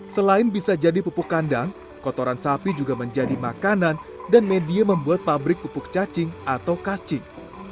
selain bisa jadi pupuk kandang kotoran sapi juga menjadi makanan dan media membuat pabrik pupuk cacing atau kacing